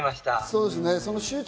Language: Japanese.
それですね。